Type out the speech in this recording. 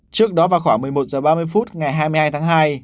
trước đó vào khoảng một mươi một h ba mươi phút ngày hai mươi hai tháng hai